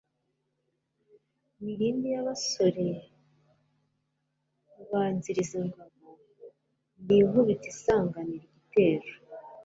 Milindi y'abasore, rubanzilizangabo..Ndi inkubito isanganira igitero,